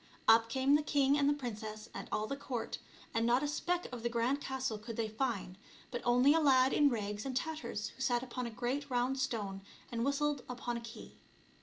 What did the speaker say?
Up came the king and the princess and all the court, and not a speck of the grand castle could they find, but only a lad in rags and tatters who sat upon a great round stone and whistled upon a key.